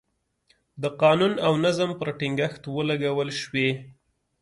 د قانون او نظم پر ټینګښت ولګول شوې.